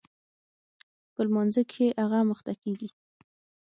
په لمانځه کښې هغه مخته کېږي.